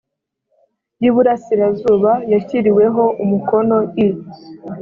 y iburasirazuba yashyiriweho umukono i